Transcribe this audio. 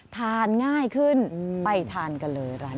ทานง่ายขึ้นไปทานกันเลยร้านนี้